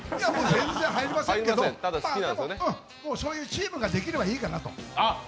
全然入りませんけどそういうチームができればいいかなと。